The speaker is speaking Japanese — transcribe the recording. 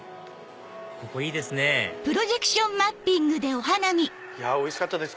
ここいいですねおいしかったです